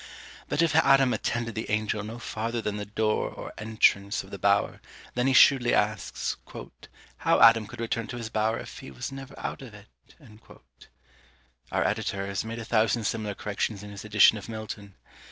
But if Adam attended the Angel no farther than the door or entrance of the bower, then he shrewdly asks, "How Adam could return to his bower if he was never out of it?" Our editor has made a thousand similar corrections in his edition of Milton!